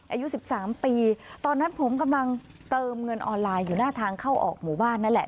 อายุ๑๓ปีตอนนั้นผมกำลังเติมเงินออนไลน์อยู่หน้าทางเข้าออกหมู่บ้านนั่นแหละ